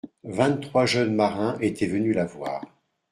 Vingt-trois jeunes marins étaient venus la voir.